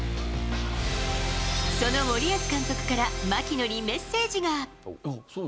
その森保監督から槙野にメッセージが。